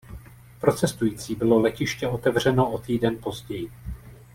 Pro cestující bylo letiště otevřeno o týden později.